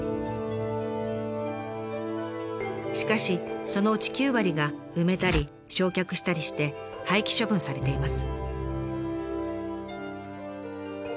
しかしそのうち９割が埋めたり焼却したりして廃棄処分されています。